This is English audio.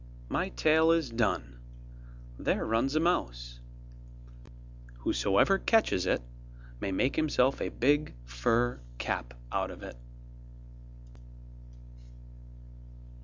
My tale is done, there runs a mouse; whosoever catches it, may make himself a big fur cap out of it.